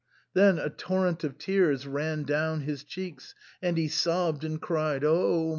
Then a torrent of tears ran down his cheeks, and he sobbed and cried, "Oh